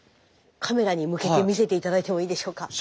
⁉カメラに向けて見せて頂いてもいいでしょうか？